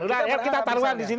udah kita taruhan disini